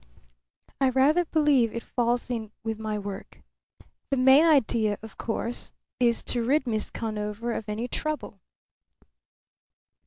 I rather believe it falls in with some of my work. The main idea, of course, is to rid Miss Conover of any trouble."